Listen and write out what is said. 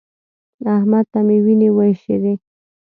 احمد ته مې وينې وايشېدې.